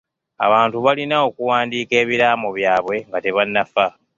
Abantu balina okuwandiika ebiraamo byabwe nga tebannafa.